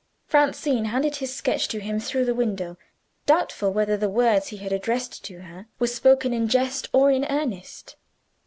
Francine handed his sketch to him, through the window; doubtful whether the words that he had addressed to her were spoken in jest or in earnest.